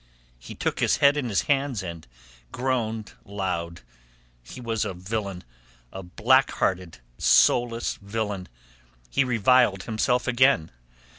He took his head in his hands and groaned loud. He was a villain, a black hearted, soulless villain! He reviled himself again.